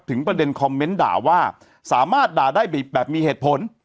ประเด็นคอมเมนต์ด่าว่าสามารถด่าได้แบบมีเหตุผล